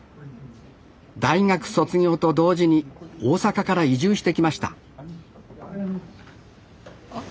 大学卒業と同時に大阪から移住してきましたあれ２２。